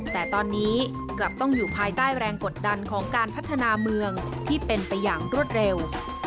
แต่ตอนนี้กลับต้องอยู่ภายใต้แรงกดดันของการพัฒนาเมืองที่เป็นไปอย่างรวดเร็ว